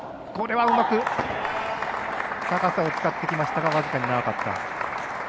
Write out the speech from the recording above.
うまく高さを使ってきましたが僅かに長かった。